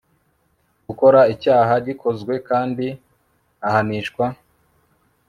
gukora icyaha gikozwe kandi ahanishwa